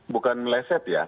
bukan meleset ya